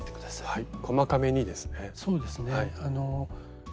はい。